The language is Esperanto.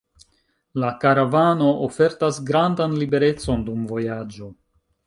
La karavano ofertas grandan liberecon dum vojaĝo.